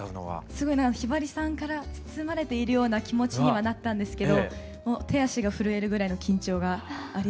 すごいひばりさんから包まれているような気持ちにはなったんですけど手足が震えるぐらいの緊張がありました。